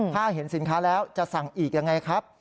ถ้าเห็นสินค้าแล้วจะสั่งอีกยังไงครับ